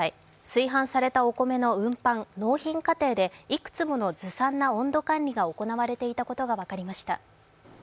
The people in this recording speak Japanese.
炊飯されたお米の運搬・納品過程でいくつものずさんな温度管理が行われていたことが分かりました。